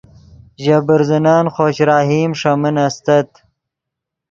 ژے برزنن خوش رحیم ݰے من استت